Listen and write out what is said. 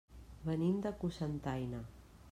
Venim de Cocentaina.